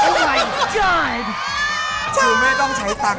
มีน้ำใส่กระติก